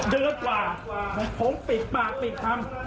เดือนกว่าผมปิดปากปิดคำ